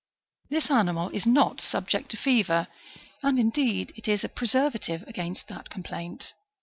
^^ This animal is not sub ject to fever, and, indeed, it is a preservative against that com plaint.